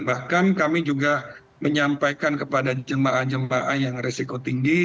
bahkan kami juga menyampaikan kepada jemaah jemaah yang resiko tinggi